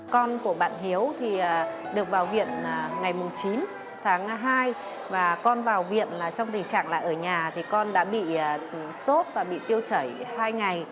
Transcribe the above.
con của bạn hiếu thì được vào viện ngày chín tháng hai và con vào viện là trong tình trạng là ở nhà thì con đã bị sốt và bị tiêu chảy hai ngày